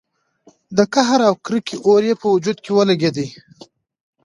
د قهر او کرکې اور يې په وجود کې لګېده.